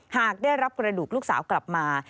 หากได้รับกระดูกลูกสาวกลับมา